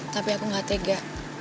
tapi aku gak tega